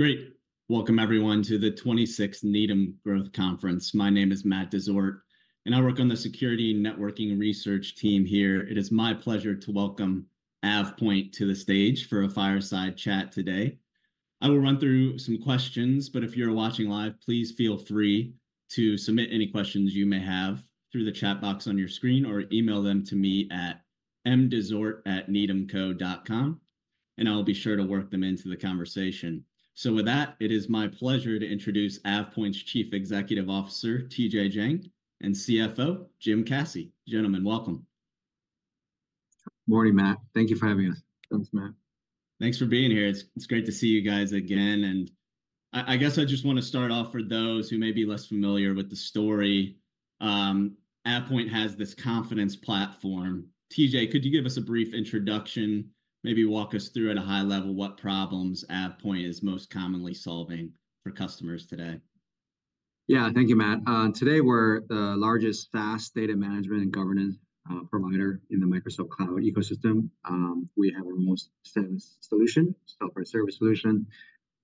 Great. Welcome, everyone, to the 26th Needham Growth Conference. My name is Matt Dezort, and I work on the security and networking research team here. It is my pleasure to welcome AvePoint to the stage for a fireside chat today. I will run through some questions, but if you're watching live, please feel free to submit any questions you may have through the chat box on your screen or email them to me at mdezort@needhamco.com, and I'll be sure to work them into the conversation. So with that, it is my pleasure to introduce AvePoint's Chief Executive Officer, TJ Jiang, and CFO, Jim Caci. Gentlemen, welcome. Morning, Matt. Thank you for having us. Thanks, Matt. Thanks for being here. It's great to see you guys again, and I guess I just wanna start off for those who may be less familiar with the story. AvePoint has this Confidence Platform. TJ, could you give us a brief introduction, maybe walk us through at a high level what problems AvePoint is most commonly solving for customers today? Yeah. Thank you, Matt. Today we're the largest SaaS data management and governance provider in the Microsoft Cloud ecosystem. We have a remote service solution, software service solution,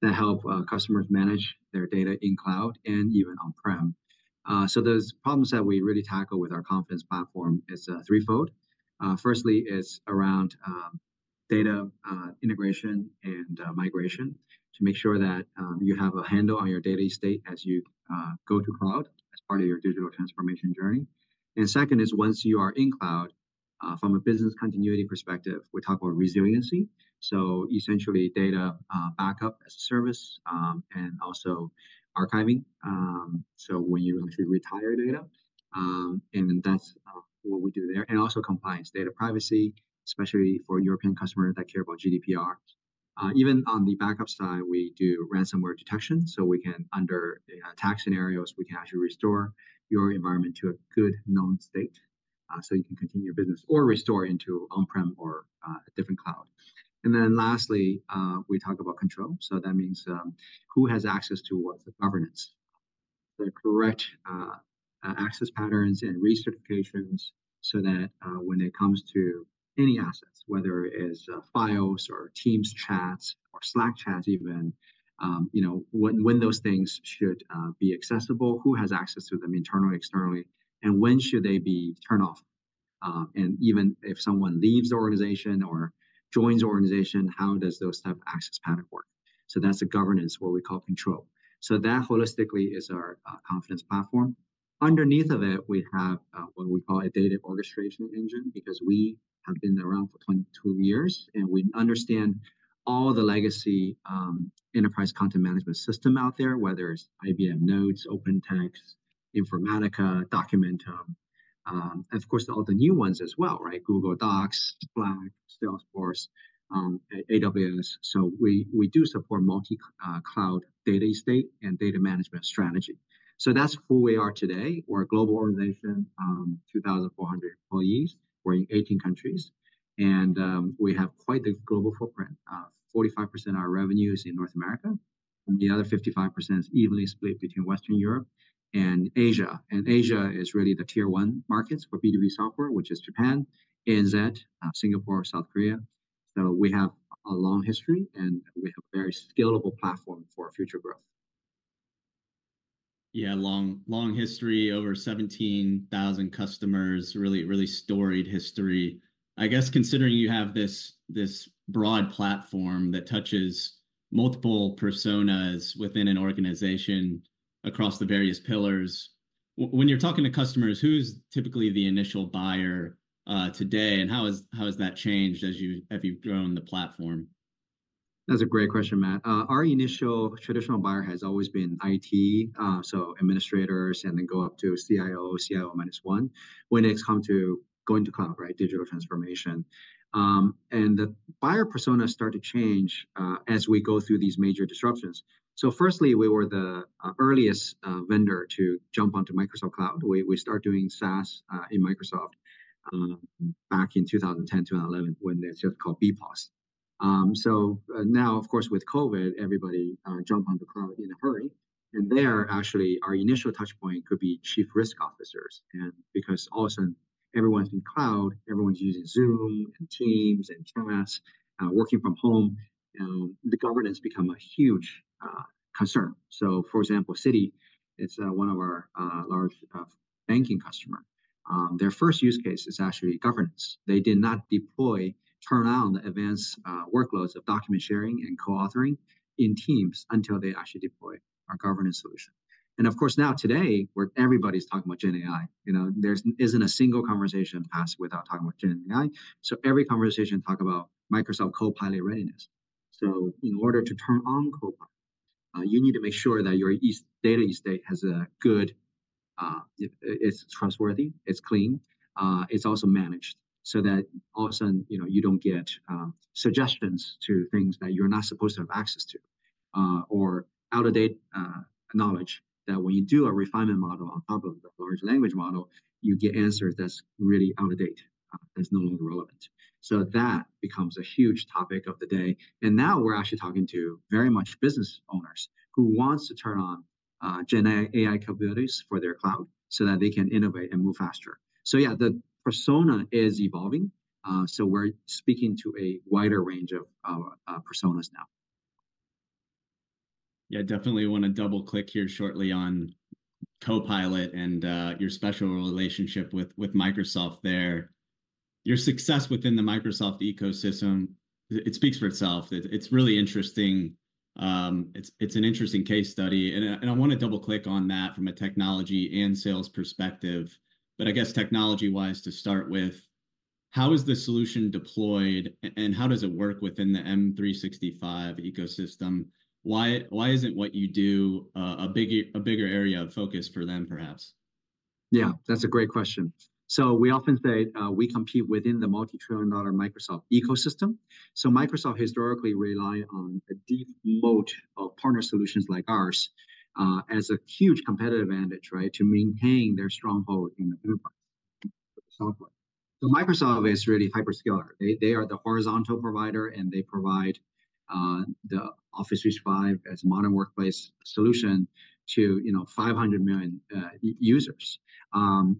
that help customers manage their data in cloud and even on-prem. So there's problems that we really tackle with our Confidence Platform is threefold. Firstly, it's around data integration and migration to make sure that you have a handle on your data estate as you go to cloud, as part of your digital transformation journey. And second is, once you are in cloud, from a business continuity perspective, we talk about resiliency, so essentially data backup as a service, and also archiving, so when you actually retire data. And that's what we do there. Also compliance, data privacy, especially for European customers that care about GDPR. Even on the backup side, we do ransomware detection, so we can, under attack scenarios, we can actually restore your environment to a good known state, so you can continue your business or restore into on-prem or a different cloud. And then lastly, we talk about control. So that means, who has access to what, the governance. The correct access patterns and recertifications so that, when it comes to any assets, whether it is files or Teams chats or Slack chats even, you know, when those things should be accessible, who has access to them internally or externally, and when should they be turned off? and even if someone leaves the organization or joins the organization, how does those type of access pattern work? So that's the governance, what we call control. So that holistically is our Confidence Platform. Underneath of it, we have what we call a data orchestration engine, because we have been around for 22 years, and we understand all the legacy enterprise content management system out there, whether it's IBM Notes, OpenText, Informatica, Documentum, and of course, all the new ones as well, right? Google Docs, Slack, Salesforce, AWS. So we do support multi-cloud data estate and data management strategy. So that's who we are today. We're a global organization, 2,400 employees. We're in 18 countries, and we have quite the global footprint. 45% of our revenue is in North America, and the other 55% is evenly split between Western Europe and Asia. Asia is really the tier one markets for B2B software, which is Japan, NZ, Singapore, South Korea. We have a long history, and we have a very scalable platform for future growth. Yeah, long, long history, over 17,000 customers. Really, really storied history. I guess considering you have this, this broad platform that touches multiple personas within an organization across the various pillars, when you're talking to customers, who's typically the initial buyer today, and how has that changed as you've grown the platform? That's a great question, Matt. Our initial traditional buyer has always been IT, so administrators, and then go up to CIO, CIO minus one, when it's come to going to cloud, right, digital transformation. And the buyer personas start to change, as we go through these major disruptions. So firstly, we were the earliest vendor to jump onto Microsoft Cloud. We start doing SaaS in Microsoft back in 2010, 2011, when it's just called BPOS. So, now, of course, with COVID, everybody jump on the cloud in a hurry, and there, actually, our initial touch point could be chief risk officers. And because all of a sudden everyone's in cloud, everyone's using Zoom and Teams and Chats, working from home, the governance become a huge concern. So for example, Citi, it's one of our large banking customer. Their first use case is actually governance. They did not deploy, turn on the advanced workloads of document sharing and co-authoring in Teams until they actually deployed our governance solution. And of course, now today, where everybody's talking about Gen AI, you know, there isn't a single conversation passed without talking about Gen AI. So every conversation talk about Microsoft Copilot readiness. So in order to turn on Copilot, you need to make sure that your data estate has a good. It's trustworthy, it's clean, it's also managed, so that all of a sudden, you know, you don't get suggestions to things that you're not supposed to have access to, or out-of-date knowledge, that when you do a refinement model on top of the large language model, you get answers that's really out of date, that's no longer relevant. So that becomes a huge topic of the day. And now we're actually talking to very much business owners who wants to turn on Gen AI capabilities for their cloud so that they can innovate and move faster. So yeah, the persona is evolving, so we're speaking to a wider range of personas now. Yeah, definitely wanna double-click here shortly on Copilot and your special relationship with Microsoft there. Your success within the Microsoft ecosystem, it speaks for itself. It's really interesting. It's an interesting case study, and I wanna double-click on that from a technology and sales perspective. But I guess technology-wise, to start with, how is the solution deployed, and how does it work within the M365 ecosystem? Why isn't what you do a bigger area of focus for them, perhaps? Yeah, that's a great question. So we often say, we compete within the multi-trillion-dollar Microsoft ecosystem. So Microsoft historically rely on a deep moat of partner solutions like ours, as a huge competitive advantage, right? To maintain their stronghold in the enterprise software. So Microsoft is really hyperscaler. They, they are the horizontal provider, and they provide, the Office 365 as a modern workplace solution to, you know, 500 million, users.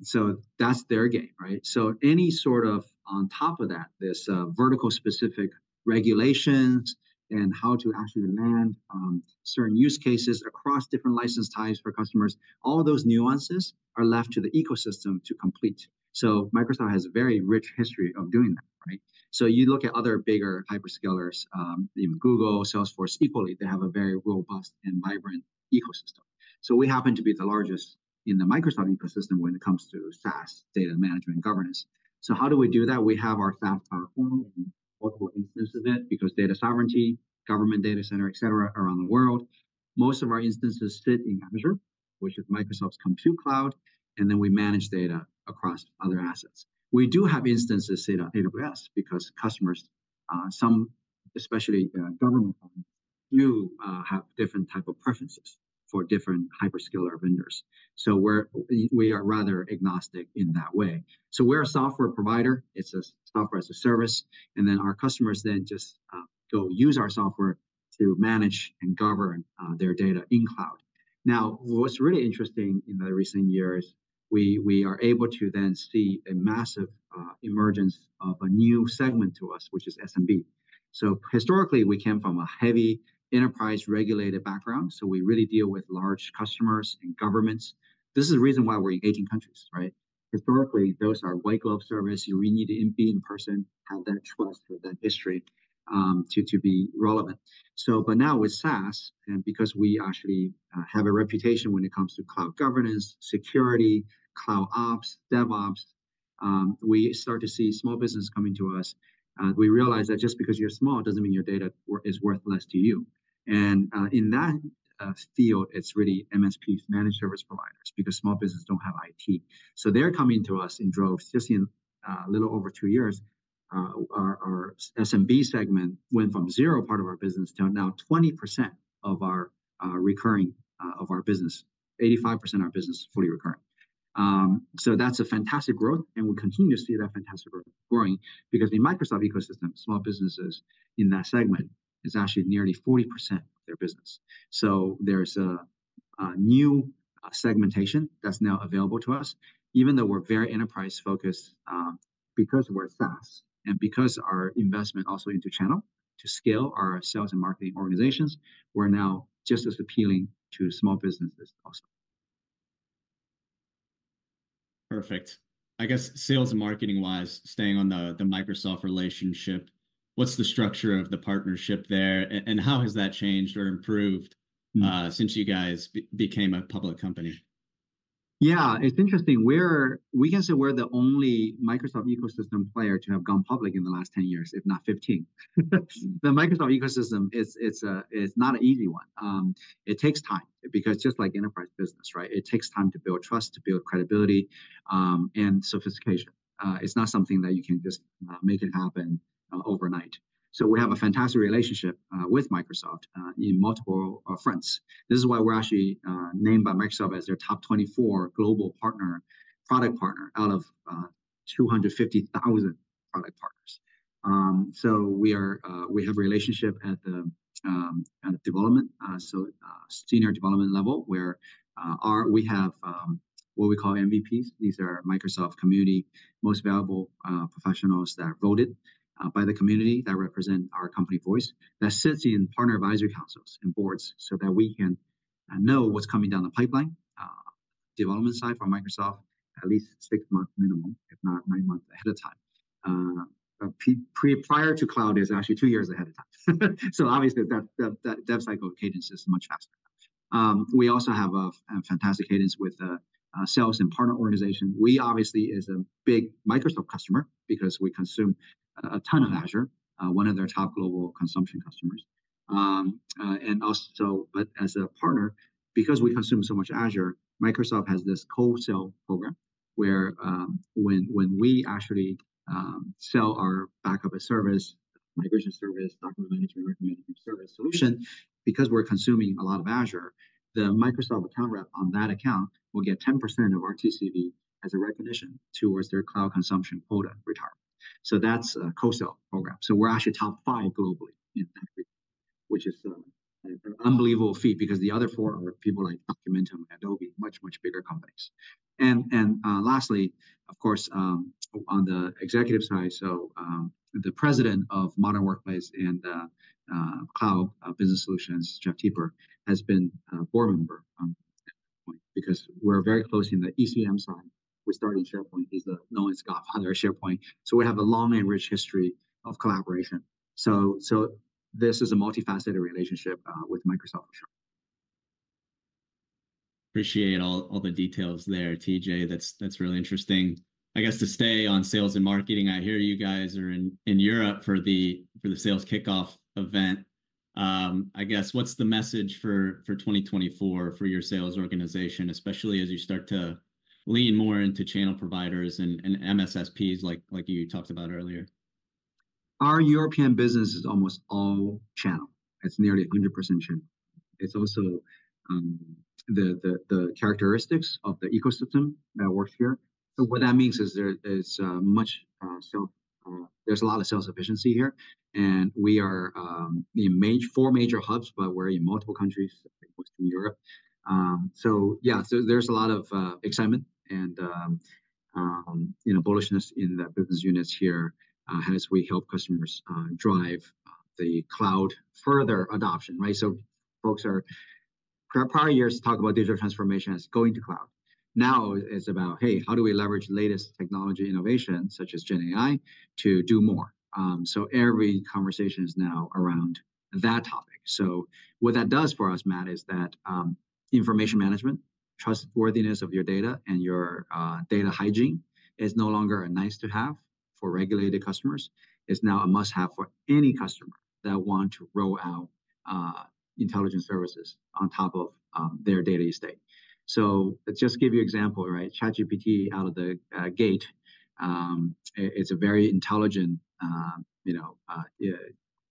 So that's their game, right? So any sort of on top of that, this, vertical specific regulations and how to actually demand, certain use cases across different license types for customers, all those nuances are left to the ecosystem to complete. So Microsoft has a very rich history of doing that, right? So you look at other bigger hyperscalers, even Google, Salesforce, equally, they have a very robust and vibrant ecosystem. So we happen to be the largest in the Microsoft ecosystem when it comes to SaaS data management governance. So how do we do that? We have our SaaS, our own and multiple instances of it, because data sovereignty, government data center, et cetera, around the world. Most of our instances sit in Azure, which is Microsoft's compute cloud, and then we manage data across other assets. We do have instances, say, at AWS, because customers, some, especially, government companies, do, have different type of preferences for different hyperscaler vendors. So we're, we are rather agnostic in that way. So we're a software provider. It's Software as a Service, and then our customers then just go use our software to manage and govern their data in cloud. Now, what's really interesting in the recent years, we are able to then see a massive emergence of a new segment to us, which is SMB. So historically, we came from a heavy enterprise-regulated background, so we really deal with large customers and governments. This is the reason why we're in 18 countries, right? Historically, those are white glove service, and we need to be in person, have that trust, have that history, to be relevant. So but now with SaaS, and because we actually have a reputation when it comes to cloud governance, security, CloudOps, DevOps, we start to see small business coming to us. We realize that just because you're small, doesn't mean your data is worthless to you. And in that field, it's really MSPs, Managed Service Providers, because small businesses don't have IT. So they're coming to us in droves. Just in a little over two years, our SMB segment went from zero part of our business to now 20% of our recurring of our business. 85% of our business is fully recurring. So that's a fantastic growth, and we continue to see that fantastic growth growing, because the Microsoft ecosystem, small businesses in that segment, is actually nearly 40% of their business. So there's a new segmentation that's now available to us. Even though we're very enterprise-focused, because we're SaaS and because our investment also into channel to scale our sales and marketing organizations, we're now just as appealing to small businesses also. Perfect. I guess sales and marketing-wise, staying on the Microsoft relationship, what's the structure of the partnership there, and how has that changed or improved- Mm... since you guys became a public company? Yeah, it's interesting. We can say we're the only Microsoft ecosystem player to have gone public in the last 10 years, if not 15. The Microsoft ecosystem, it's, it's a, it's not an easy one. It takes time, because just like enterprise business, right? It takes time to build trust, to build credibility, and sophistication. It's not something that you can just make it happen overnight. So we have a fantastic relationship with Microsoft in multiple fronts. This is why we're actually named by Microsoft as their top 24 global partner, product partner out of 250,000 product partners. So we are, we have relationship at the at the development, so senior development level, where we have what we call MVPs. These are Microsoft Community Most Valuable Professionals that are voted by the community, that represent our company voice, that sits in partner advisory councils and boards, so that we can know what's coming down the pipeline development side from Microsoft, at least six month minimum, if not nine months ahead of time. Prior to cloud, it was actually two years ahead of time. So obviously, that dev cycle cadence is much faster. We also have a fantastic cadence with sales and partner organization. We obviously is a big Microsoft customer because we consume a ton of Azure, one of their top global consumption customers. And also... but as a partner, because we consume so much Azure, Microsoft has this Co-sell Program, where, when we actually sell our backup as service, migration service, document management, recommended service solution, because we're consuming a lot of Azure, the Microsoft account rep on that account will get 10% of our TCV as a recognition towards their cloud consumption quota retirement. So that's a Co-sell Program. So we're actually top five globally in that regard, which is an unbelievable feat because the other four are people like Documentum and Adobe, much, much bigger companies. And lastly, of course, on the executive side, so the president of Modern Workplace and Cloud Business Solutions, Jeff Teper, has been a board member at that point, because we're very close in the ECM side. We started SharePoint. He's known as the father of SharePoint. We have a long and rich history of collaboration. So, this is a multifaceted relationship with Microsoft, for sure. Appreciate all, all the details there, TJ. That's, that's really interesting. I guess, to stay on sales and marketing, I hear you guys are in, in Europe for the, for the sales kickoff event. I guess, what's the message for 2024 for your sales organization, especially as you start to lean more into channel providers and, and MSSPs, like, like you talked about earlier? Our European business is almost all channel. It's nearly 100% channel. It's also the characteristics of the ecosystem that works here. So what that means is there's much self-sufficiency here, and we are in four major hubs, but we're in multiple countries in Western Europe. So yeah, so there's a lot of excitement and, you know, bullishness in the business units here, as we help customers drive the cloud further adoption, right? So, prior years, folks talk about digital transformation as going to cloud. Now, it's about, "Hey, how do we leverage latest technology innovation, such as Gen AI, to do more?" So every conversation is now around that topic. So what that does for us, Matt, is that, information management, trustworthiness of your data, and your data hygiene is no longer a nice-to-have for regulated customers. It's now a must-have for any customer that want to roll out, intelligence services on top of, their data estate. So let's just give you example, right? ChatGPT out of the gate, it's a very intelligent, you know,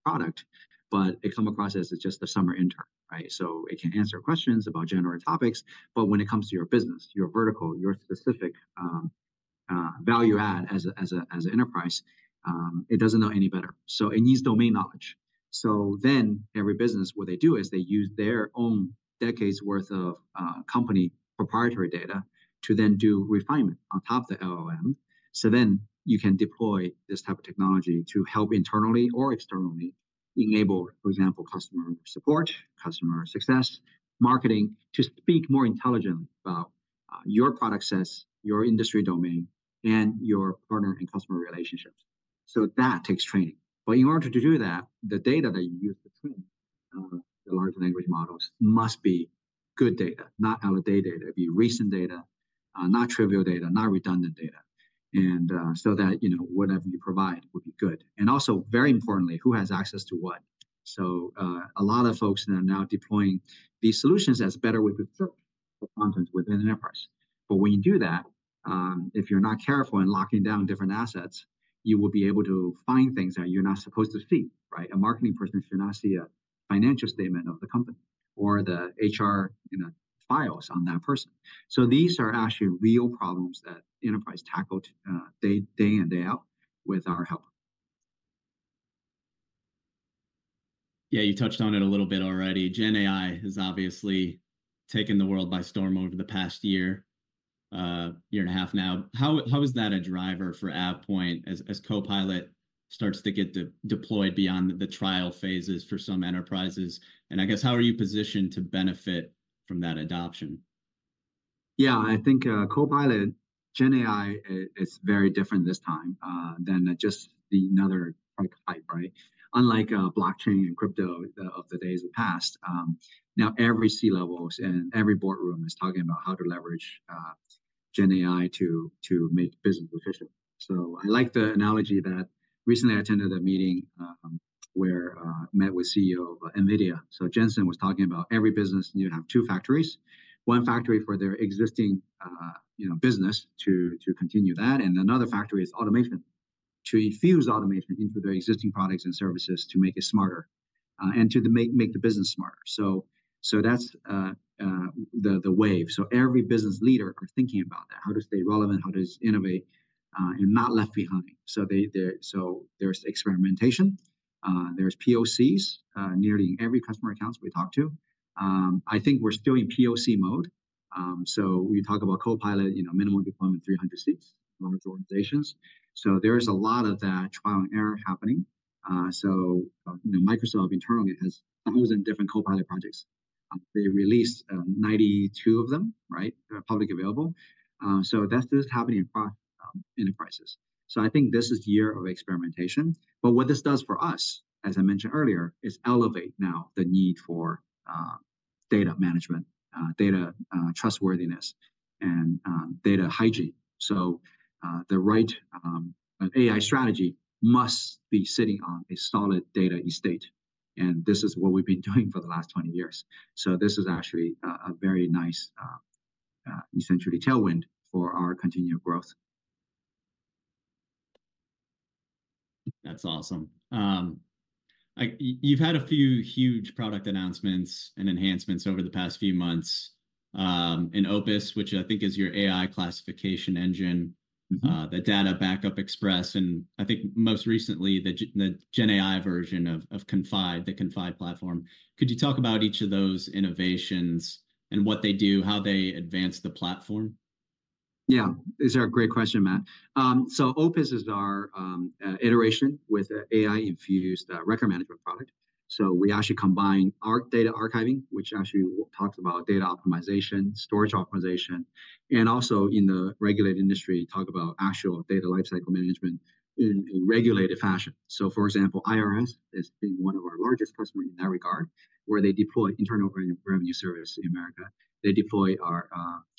product, but it come across as it's just a summer intern, right? So it can answer questions about general topics, but when it comes to your business, your vertical, your specific value add as an enterprise, it doesn't know any better. So it needs domain knowledge. So then every business, what they do is they use their own decades' worth of, company proprietary data to then do refinement on top of the LLM. So then you can deploy this type of technology to help internally or externally enable, for example, customer support, customer success, marketing, to speak more intelligently about, your product sets, your industry domain, and your partner and customer relationships. So that takes training. But in order to do that, the data that you use to train, the large language models must be good data, not outdated data. It'd be recent data, not trivial data, not redundant data. And, so that, you know, whatever you provide would be good. And also, very importantly, who has access to what? So, a lot of folks are now deploying these solutions as better way to search for content within an enterprise. But when you do that, if you're not careful in locking down different assets, you will be able to find things that you're not supposed to see, right? A marketing person should not see a financial statement of the company or the HR, you know, files on that person. So these are actually real problems that enterprises tackle day in, day out with our help. Yeah, you touched on it a little bit already. Gen AI has obviously taken the world by storm over the past year, year and a half now. How is that a driver for AvePoint as Copilot starts to get deployed beyond the trial phases for some enterprises? And I guess, how are you positioned to benefit from that adoption? Yeah, I think, Copilot, Gen AI, it's very different this time than just another tech hype, right? Unlike, blockchain and crypto of the days past, now every C-level and every boardroom is talking about how to leverage Gen AI to make business efficient. So I like the analogy that... Recently, I attended a meeting where I met with CEO of NVIDIA. So Jensen was talking about every business, you'd have two factories. One factory for their existing, you know, business to continue that, and another factory is automation. To infuse automation into their existing products and services to make it smarter and to make the business smarter. So that's the wave. So every business leader are thinking about that. How to stay relevant, how to innovate, and not left behind. So there's experimentation, there's POCs nearly every customer accounts we talk to. I think we're still in POC mode. So we talk about Copilot, you know, minimum deployment, 300 seats for large organizations. So there's a lot of that trial and error happening. So, you know, Microsoft internally has thousands of different Copilot projects. They released 92 of them, right? Publicly available. So that's just happening in prominent enterprises. So I think this is the year of experimentation, but what this does for us, as I mentioned earlier, is elevate now the need for data management, data trustworthiness, and data hygiene. So the right AI strategy must be sitting on a solid data estate, and this is what we've been doing for the last 20 years. This is actually a very nice, essentially tailwind for our continued growth. ... That's awesome. I, you've had a few huge product announcements and enhancements over the past few months, in Opus, which I think is your AI classification engine- Mm-hmm. the AvePoint Backup Express, and I think most recently, the Gen AI version of Confide, the Confide platform. Could you talk about each of those innovations and what they do, how they advance the platform? Yeah. That's a great question, Matt. So Opus is our iteration with an AI-infused record management product. So we actually combine our data archiving, which actually talks about data optimization, storage optimization, and also in the regulated industry, talk about actual data lifecycle management in regulated fashion. So, for example, IRS is one of our largest customer in that regard, where they deploy Internal Revenue Service in America. They deploy our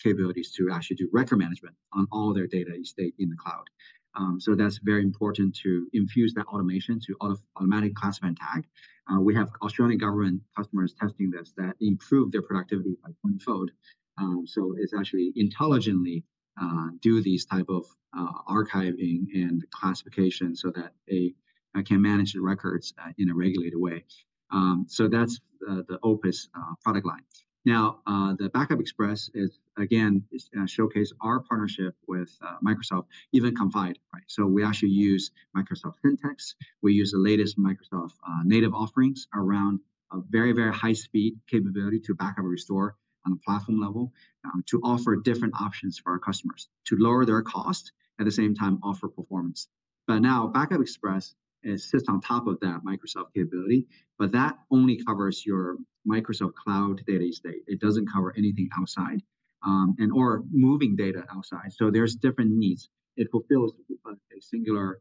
capabilities to actually do record management on all their data estate in the cloud. So that's very important to infuse that automation to automatic classification tag. We have Australian government customers testing this that improve their productivity by tenfold. So it's actually intelligently do these type of archiving and classification so that they can manage the records in a regulated way. So that's the Opus product line. Now, the Backup Express is, again, showcase our partnership with Microsoft, even Confide, right? So we actually use Microsoft Syntex. We use the latest Microsoft native offerings around a very, very high-speed capability to back up and restore on a platform level, to offer different options for our customers, to lower their cost, at the same time, offer performance. But now, Backup Express, it sits on top of that Microsoft capability, but that only covers your Microsoft Cloud data estate. It doesn't cover anything outside, and or moving data outside. So there's different needs. It fulfills a singular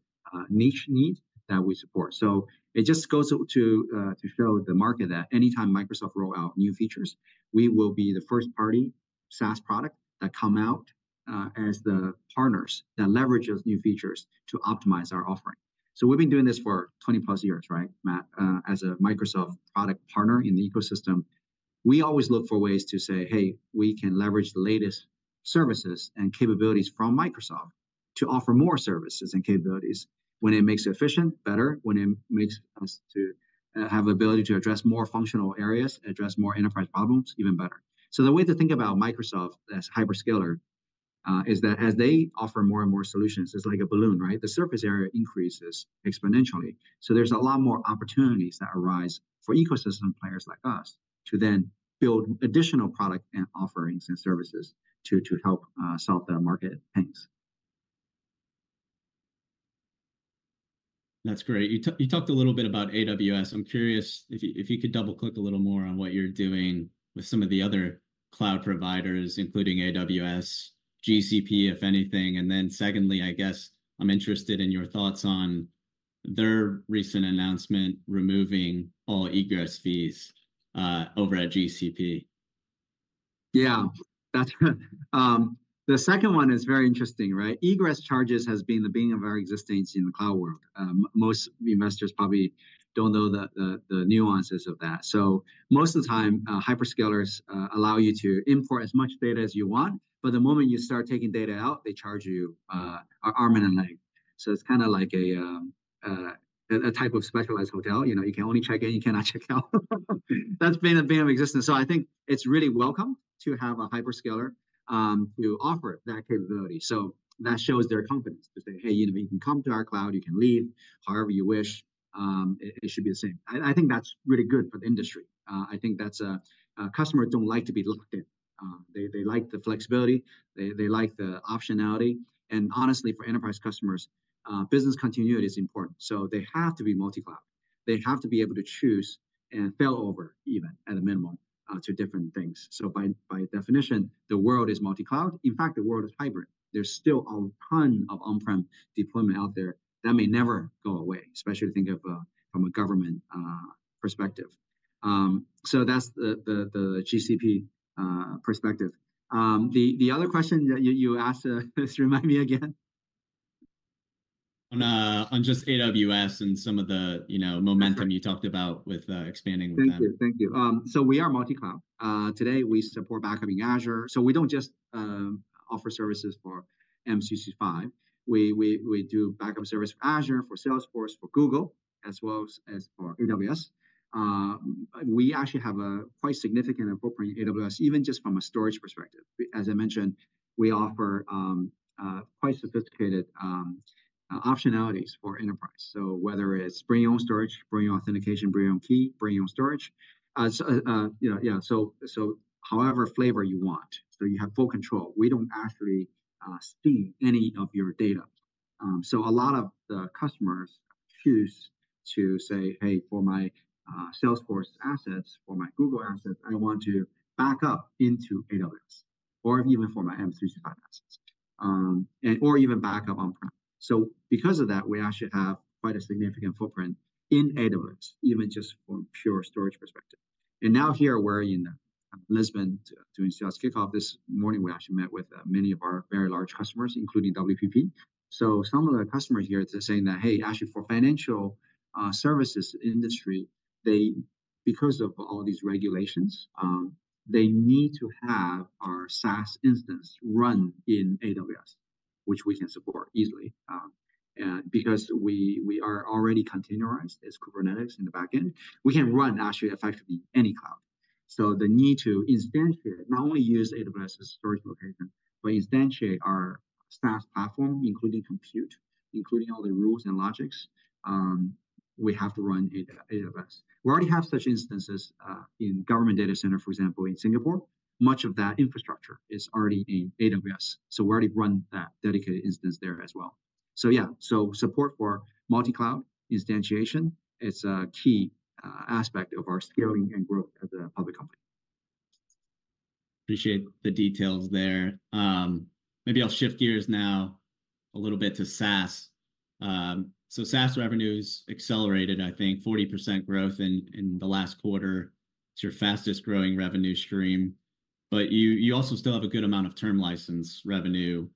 niche need that we support. So it just goes to show the market that anytime Microsoft roll out new features, we will be the first-party SaaS product that come out, as the partners that leverages new features to optimize our offering. So we've been doing this for 20-plus years, right, Matt? As a Microsoft product partner in the ecosystem, we always look for ways to say, "Hey, we can leverage the latest services and capabilities from Microsoft to offer more services and capabilities," when it makes it efficient, better, when it makes us to have ability to address more functional areas, address more enterprise problems, even better. So the way to think about Microsoft as hyperscaler is that as they offer more and more solutions, it's like a balloon, right? The surface area increases exponentially. So there's a lot more opportunities that arise for ecosystem players like us to then build additional product and offerings and services to help solve their market pains. That's great. You talked a little bit about AWS. I'm curious if you could double-click a little more on what you're doing with some of the other cloud providers, including AWS, GCP, if anything. And then secondly, I guess, I'm interested in your thoughts on their recent announcement, removing all egress fees over at GCP. Yeah, that's the second one is very interesting, right? Egress charges has been the being of our existence in the cloud world. Most investors probably don't know the nuances of that. So most of the time, hyperscalers allow you to import as much data as you want, but the moment you start taking data out, they charge you an arm and a leg. So it's kinda like a type of specialized hotel. You know, you can only check in, you cannot check out. That's been the being of existence. So I think it's really welcome to have a hyperscaler to offer that capability. So that shows their confidence to say, "Hey, you know, you can come to our cloud, you can leave however you wish," it should be the same. I, I think that's really good for the industry. I think that's, customers don't like to be locked in. They, they like the flexibility, they, they like the optionality, and honestly, for enterprise customers, business continuity is important. So they have to be multi-cloud. They have to be able to choose and fail over even at a minimum, to different things. So by, by definition, the world is multi-cloud. In fact, the world is hybrid. There's still a ton of on-prem deployment out there that may never go away, especially if you think of, from a government, perspective. So that's the, the, the GCP, perspective. The, the other question that you, you asked, just remind me again? On, on just AWS and some of the, you know, momentum- Sure... you talked about with, expanding with them. Thank you. Thank you. So we are multi-cloud. Today, we support backup in Azure, so we don't just offer services for M365. We do backup service for Azure, for Salesforce, for Google, as well as for AWS. We actually have a quite significant footprint in AWS, even just from a storage perspective. As I mentioned, we offer quite sophisticated optionalities for enterprise. So whether it's bring your own storage, bring your own authentication, bring your own key, bring your own storage, so you know, yeah, so however flavor you want, so you have full control. We don't actually stream any of your data. So a lot of the customers choose to say, "Hey, for my Salesforce assets, for my Google assets, I want to back up into AWS, or even for my M365 assets, and or even back up on-prem." So because of that, we actually have quite a significant footprint in AWS, even just from pure storage perspective. And now here, we're in Lisbon to discuss kickoff. This morning, we actually met with many of our very large customers, including WPP. So some of the customers here are saying that, "Hey, actually, for financial services industry, they, because of all these regulations, they need to have our SaaS instance run in AWS, which we can support easily. Because we are already containerized as Kubernetes in the back end, we can run actually effectively any cloud. So the need to instantiate, not only use AWS as storage location, but instantiate our SaaS platform, including compute, including all the rules and logics, we have to run AWS. We already have such instances, in government data center, for example, in Singapore, much of that infrastructure is already in AWS, so we already run that dedicated instance there as well. So yeah, so support for multi-cloud instantiation, it's a key, aspect of our scaling and growth as a public company. Appreciate the details there. Maybe I'll shift gears now a little bit to SaaS. So SaaS revenue's accelerated, I think 40% growth in the last quarter. It's your fastest growing revenue stream, but you also still have a good amount of term license revenue,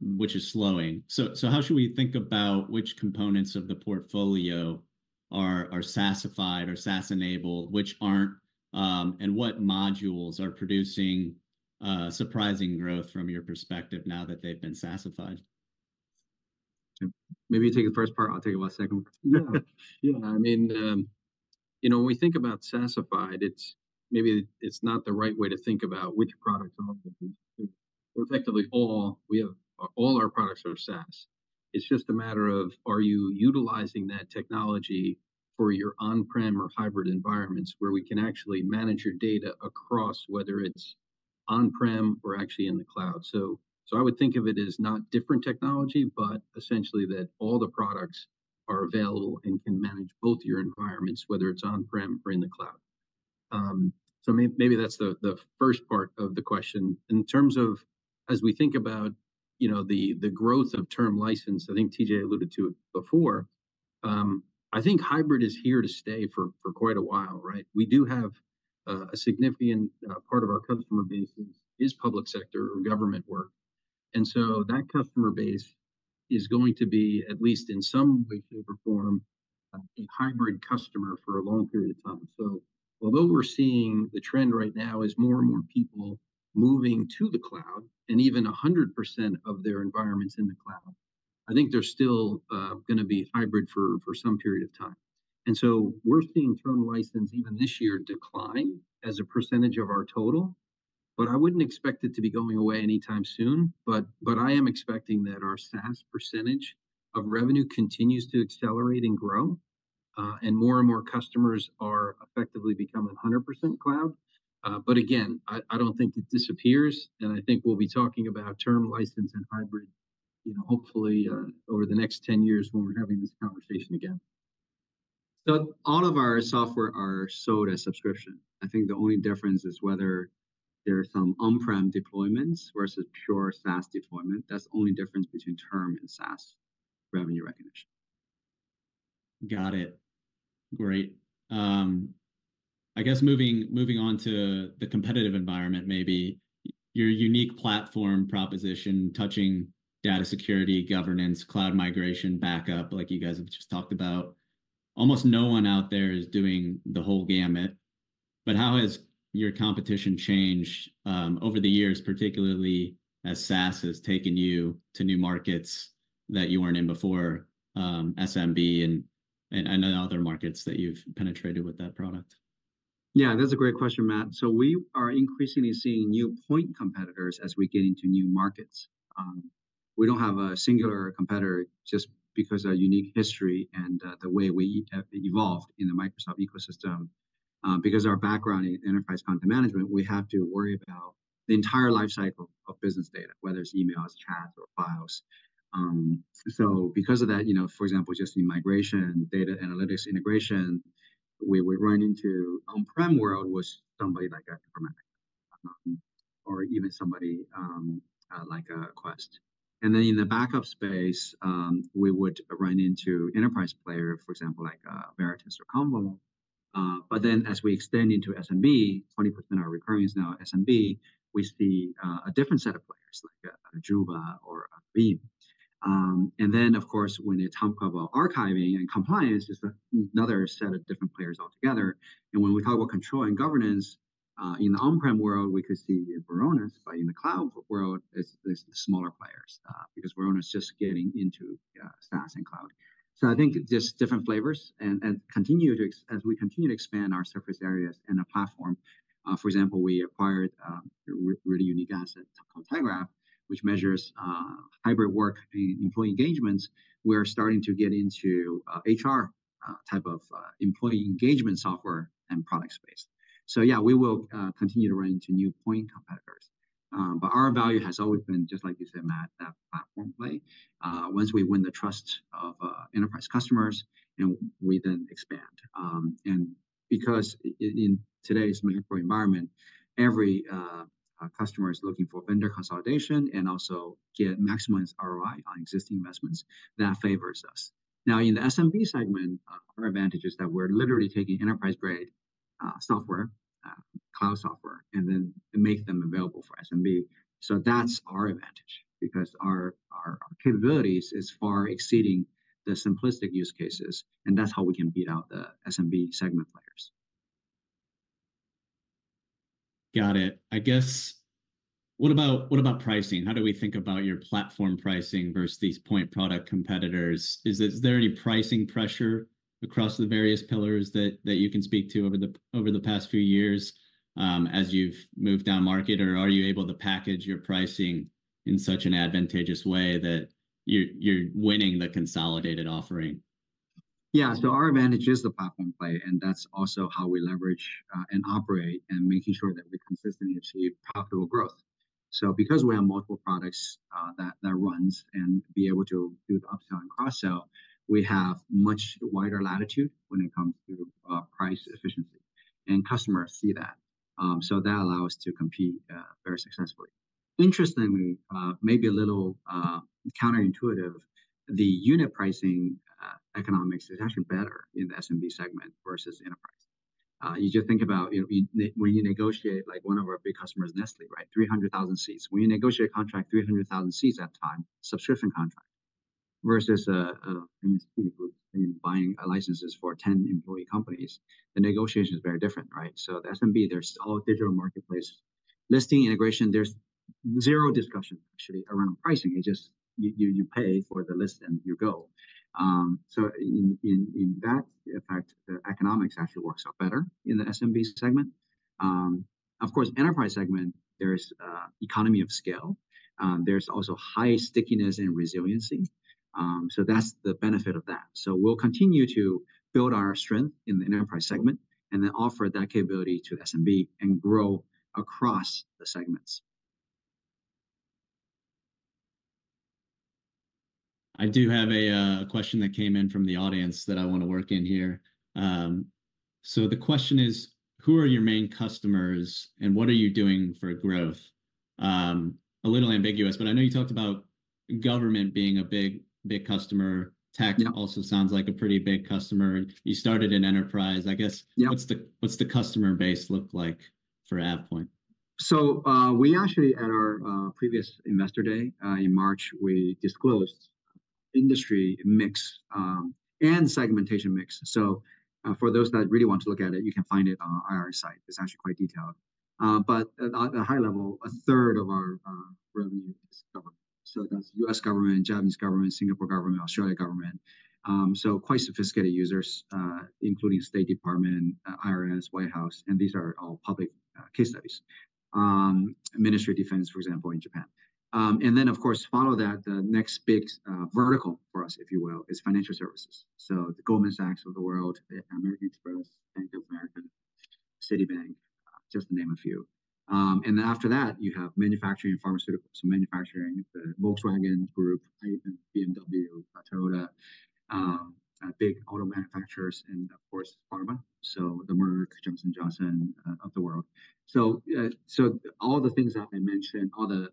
which is slowing. So how should we think about which components of the portfolio are SaaSified or SaaS-enabled, which aren't? And what modules are producing surprising growth from your perspective now that they've been SaaSified? Maybe you take the first part, I'll talk about the second one. Yeah. Yeah, I mean, you know, when we think about SaaSified, it's... maybe it's not the right way to think about which products are. Effectively, all, we have-- all our products are SaaS. It's just a matter of, are you utilizing that technology for your on-prem or hybrid environments, where we can actually manage your data across, whether it's on-prem or actually in the cloud. So, so I would think of it as not different technology, but essentially that all the products are available and can manage both your environments, whether it's on-prem or in the cloud. So maybe that's the, the first part of the question. In terms of as we think about, you know, the growth of term license, I think TJ alluded to it before, I think hybrid is here to stay for quite a while, right? We do have a significant part of our customer base is public sector or government work. And so that customer base is going to be, at least in some way, shape, or form, a hybrid customer for a long period of time. So although we're seeing the trend right now is more and more people moving to the cloud, and even 100% of their environment's in the cloud, I think they're still gonna be hybrid for some period of time. And so we're seeing term license, even this year, decline as a percentage of our total, but I wouldn't expect it to be going away anytime soon. But I am expecting that our SaaS percentage of revenue continues to accelerate and grow, and more and more customers are effectively becoming a 100% cloud. But again, I don't think it disappears, and I think we'll be talking about term license and hybrid, you know, hopefully, over the next 10 years when we're having this conversation again. All of our software are sold as subscription. I think the only difference is whether there are some on-prem deployments versus pure SaaS deployment. That's the only difference between term and SaaS revenue recognition. Got it. Great. I guess moving on to the competitive environment maybe, your unique platform proposition, touching data security, governance, cloud migration, backup, like you guys have just talked about. Almost no one out there is doing the whole gamut. But how has your competition changed over the years, particularly as SaaS has taken you to new markets that you weren't in before, SMB and other markets that you've penetrated with that product? Yeah, that's a great question, Matt. So we are increasingly seeing new point competitors as we get into new markets. We don't have a singular competitor, just because our unique history and the way we have evolved in the Microsoft ecosystem. Because our background in enterprise content management, we have to worry about the entire life cycle of business data, whether it's emails, chats, or files. So because of that, you know, for example, just in migration, data analytics integration, we run into on-prem world with somebody like Informatica or even somebody like Quest. And then in the backup space, we would run into enterprise player, for example, like Veritas or Commvault. But then as we extend into SMB, 20% of our recurring is now SMB, we see a different set of players, like a Datto or a Veeam. And then, of course, when you talk about archiving and compliance, it's another set of different players altogether. And when we talk about control and governance, in the on-prem world, we could see Varonis, but in the cloud world, it's the smaller players, because Varonis's just getting into SaaS and cloud. So I think just different flavors and continue to as we continue to expand our surface areas and our platform, for example, we acquired a really unique asset called tyGraph, which measures hybrid work and employee engagements. We're starting to get into HR type of employee engagement software and product space. So yeah, we will continue to run into endpoint competitors. But our value has always been, just like you said, Matt, that platform play. Once we win the trust of enterprise customers, and we then expand. And because in today's macro environment, every customer is looking for vendor consolidation and also get maximize ROI on existing investments, that favors us. Now, in the SMB segment, our advantage is that we're literally taking enterprise-grade cloud software, and then make them available for SMB. So that's our advantage, because our capabilities is far exceeding the simplistic use cases, and that's how we can beat out the SMB segment players. Got it. I guess, what about, what about pricing? How do we think about your platform pricing versus these point product competitors? Is there, is there any pricing pressure across the various pillars that, that you can speak to over the, over the past few years, as you've moved down market? Or are you able to package your pricing in such an advantageous way that you're, you're winning the consolidated offering? Yeah. So our advantage is the platform play, and that's also how we leverage and operate, and making sure that we consistently achieve profitable growth. So because we have multiple products that runs and be able to do the upsell and cross-sell, we have much wider latitude when it comes to price efficiency, and customers see that. So that allow us to compete very successfully. Interestingly, maybe a little counterintuitive, the unit pricing economics is actually better in the SMB segment versus enterprise. You just think about, you know, when you negotiate, like, one of our big customers, Nestlé, right? 300,000 seats. When you negotiate a contract, 300,000 seats at a time, subscription contract, versus a MSP who's buying licenses for 10-employee companies, the negotiation is very different, right? So the SMB, there's all digital marketplace. Listing integration, there's zero discussion, actually, around pricing. It just, you pay for the list, and you go. So in that effect, the economics actually works out better in the SMB segment. Of course, enterprise segment, there's economy of scale. There's also high stickiness and resiliency, so that's the benefit of that. So we'll continue to build our strength in the enterprise segment and then offer that capability to SMB and grow across the segments. I do have a question that came in from the audience that I wanna work in here. So the question is: Who are your main customers, and what are you doing for growth? A little ambiguous, but I know you talked about government being a big, big customer. Yeah. Tech also sounds like a pretty big customer. You started in enterprise, I guess- Yeah. What's the customer base look like for AvePoint? So, we actually, at our previous investor day in March, we disclosed industry mix and segmentation mix. So, for those that really want to look at it, you can find it on our site. It's actually quite detailed. But at a high level, a third of our revenue is government. So that's U.S. government, Japanese government, Singapore government, Australian government. So quite sophisticated users, including State Department, IRS, White House, and these are all public case studies. Ministry of Defense, for example, in Japan. And then, of course, follow that, the next big vertical for us, if you will, is financial services. So the Goldman Sachs of the world, the American Express, Bank of America, Citibank, just to name a few. And then after that, you have manufacturing and pharmaceuticals. So manufacturing, the Volkswagen Group, even BMW, Toyota, big auto manufacturers and, of course, pharma. So the Merck, Johnson & Johnson, of the world. So, so all the things that I mentioned, all the,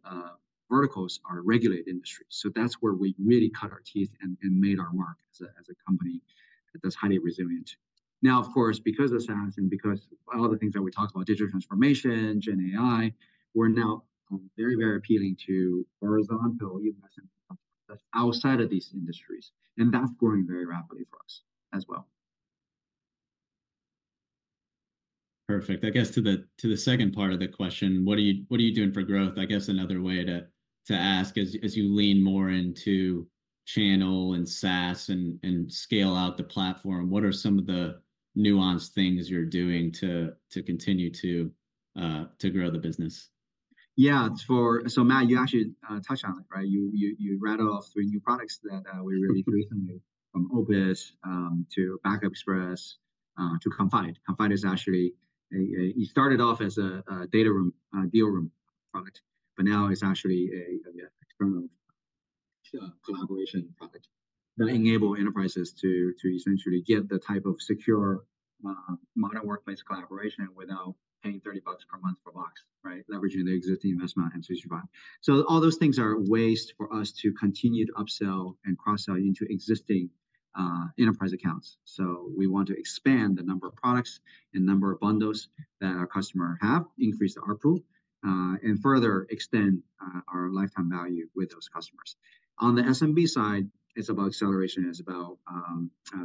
verticals are regulated industries. So that's where we really cut our teeth and made our mark as a company that's highly resilient. Now, of course, because of SaaS and because all the things that we talked about, digital transformation, gen AI, we're now very, very appealing to horizontal US... outside of these industries, and that's growing very rapidly for us as well. Perfect. I guess to the second part of the question: What are you doing for growth? I guess another way to ask is, as you lean more into channel and SaaS and scale out the platform, what are some of the nuanced things you're doing to continue to grow the business? Yeah. So Matt, you actually touched on it, right? You rattled off three new products that we released recently, from Opus to Backup Express to Confide. Confide is actually a. It started off as a data room deal room product, but now it's actually a external collaboration product that enable enterprises to essentially get the type of secure modern workplace collaboration without paying $30 per month per box, right? Leveraging the existing investment in M365. So all those things are ways for us to continue to upsell and cross-sell into existing enterprise accounts. So we want to expand the number of products and number of bundles that our customer have, increase the ARPU, and further extend our lifetime value with those customers. On the SMB side, it's about acceleration. It's about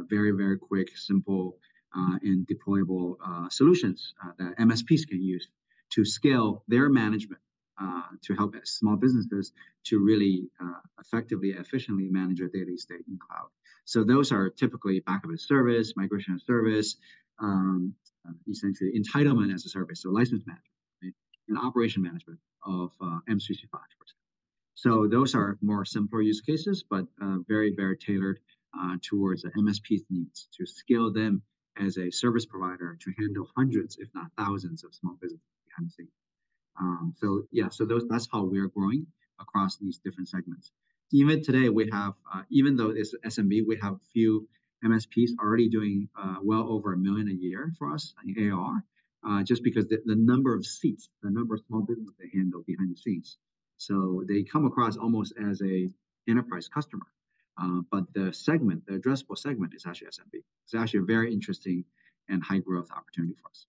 very, very quick, simple, and deployable solutions that MSPs can use to scale their management to help small businesses to really effectively and efficiently manage their estate in cloud. So those are typically backup as a service, migration as service, essentially, entitlement as a service, so license management and operation management of M365. So those are more simpler use cases, but very, very tailored towards the MSP's needs to scale them as a service provider to handle hundreds, if not thousands, of small businesses behind the scene. So yeah, so those, that's how we are growing across these different segments. Even today, we have, even though it's SMB, we have a few MSPs already doing, well over $1 million a year for us in AR, just because the, the number of seats, the number of small businesses they handle behind the scenes. So they come across almost as a enterprise customer. But the segment, the addressable segment is actually SMB. It's actually a very interesting and high-growth opportunity for us.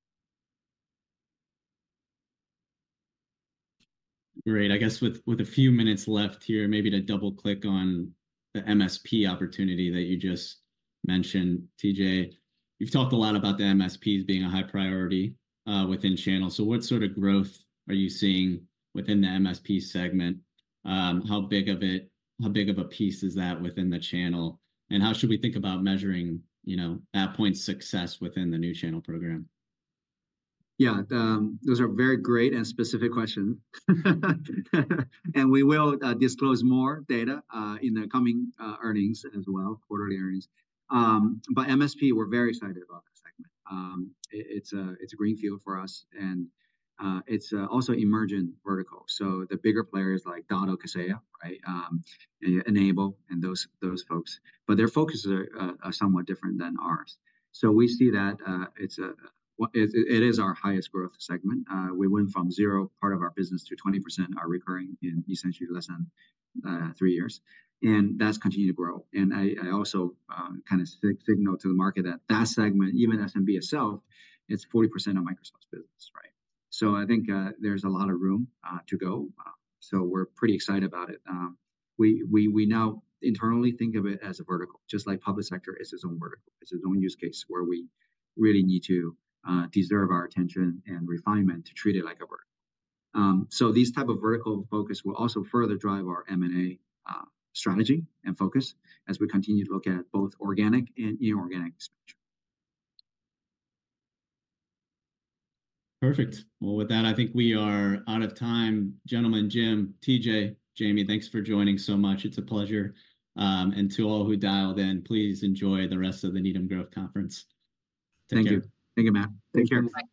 Great. I guess with a few minutes left here, maybe to double-click on the MSP opportunity that you just mentioned, TJ. You've talked a lot about the MSPs being a high priority within channel. So what sort of growth are you seeing within the MSP segment? How big of a piece is that within the channel? And how should we think about measuring, you know, AvePoint's success within the new channel program? Yeah, those are very great and specific question. We will disclose more data in the coming earnings as well, quarterly earnings. But MSP, we're very excited about the segment. It's a greenfield for us, and it's also emergent vertical. So the bigger players like Datto, Kaseya, right? N-able and those folks, but their focuses are somewhat different than ours. So we see that it is our highest growth segment. We went from zero part of our business to 20% ARR in essentially less than three years, and that's continued to grow. I also kinda signal to the market that that segment, even SMB itself, it's 40% of Microsoft's business, right? So I think, there's a lot of room to go, so we're pretty excited about it. We now internally think of it as a vertical, just like public sector is its own vertical. It's its own use case, where we really need to deserve our attention and refinement to treat it like a vertical. So these type of vertical focus will also further drive our M&A strategy and focus as we continue to look at both organic and inorganic expansion. Perfect. Well, with that, I think we are out of time. Gentlemen, Jim, TJ, Jamie, thanks for joining so much. It's a pleasure. And to all who dialed in, please enjoy the rest of the Needham Growth Conference. Thank you. Thank you. Thank you, Matt. Take care. Bye.